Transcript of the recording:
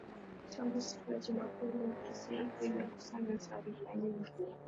tangu siku ya juma pili ofisi yangu imekusanya taarifa nyingi